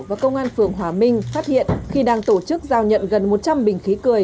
và công an phường hòa minh phát hiện khi đang tổ chức giao nhận gần một trăm linh bình khí cười